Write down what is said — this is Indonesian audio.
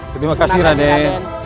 terima kasih raden